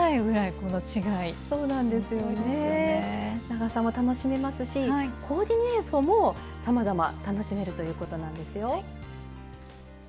長さも楽しめますしコーディネートもさまざま楽しめるということなんですよ。